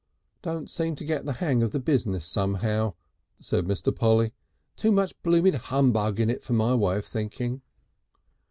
"Don't seem to get the hang of the business somehow," said Mr. Polly. "Too much blooming humbug in it for my way of thinking."